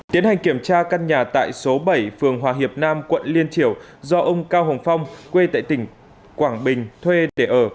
tiến hành kiểm tra căn nhà tại số bảy phường hòa hiệp nam quận liên triều do ông cao hồng phong quê tại tỉnh quảng bình thuê để ở